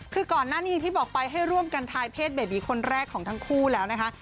คือก่อนหน้านี้อย่างที่บอกไปให้ร่วมกันทายเพศเบบีคนแรกของทั้งคู่แล้วนะคะ